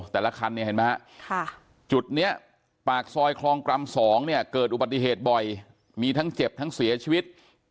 แต่ละคันเนี่ยเห็นไหมฮะจุดนี้ปากซอยคลองกรัม๒เนี่ยเกิดอุบัติเหตุบ่อยมีทั้งเจ็บทั้งเสียชีวิต